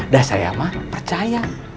dah saya mah percaya